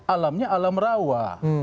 alamnya alam rawa